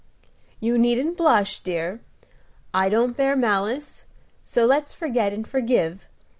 "You needn't blush, dear; I don't bear malice; so let's forget and forgive.